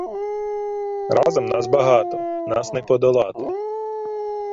Разом нас багато, нас не подолати